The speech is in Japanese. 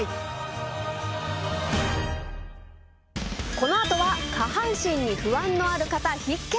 この後は下半身に不安のある方必見。